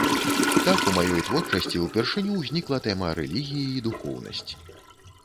Так у маёй творчасці ўпершыню ўзнікла тэма рэлігіі і духоўнасці.